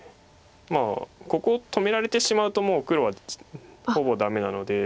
まあここを止められてしまうともう黒はほぼダメなので。